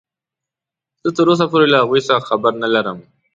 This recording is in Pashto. زه تراوسه پورې له هغوې څخه خبر نلرم.